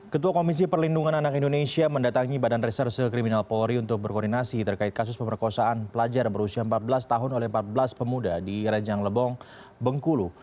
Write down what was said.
ketua komisi perlindungan anak indonesia mendatangi badan reserse kriminal polri untuk berkoordinasi terkait kasus pemerkosaan pelajar berusia empat belas tahun oleh empat belas pemuda di rejang lebong bengkulu